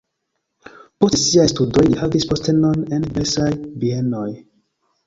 Post siaj studoj li havis postenon en diversaj bienoj.